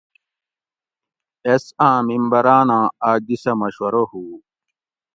ایس آں ممبراناں اکدی سہ مشورہ ہُو